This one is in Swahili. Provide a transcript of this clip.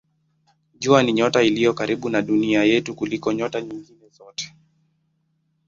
Jua ni nyota iliyo karibu na Dunia yetu kuliko nyota nyingine zote.